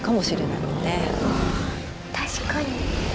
あ確かに。